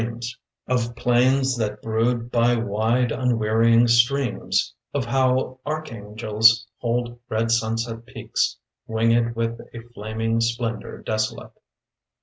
MAXWELL STRUTHERS BURT 65 Of plains that brood by wide unwearying streams, Of how archangels hold red sunset pealcs. Winged with a flaming splendor desolate.